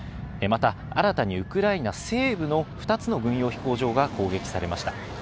また、新たにウクライナ西部の２つの軍用飛行場が攻撃されました。